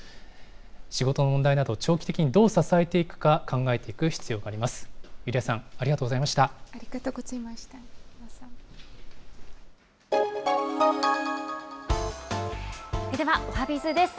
仕事の問題など、長期的にどう支えていくか、考えていく必要があります。